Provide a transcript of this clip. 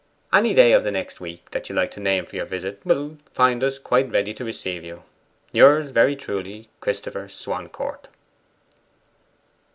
'Any day of the next week that you like to name for the visit will find us quite ready to receive you. Yours very truly, CHRISTOPHER SWANCOURT.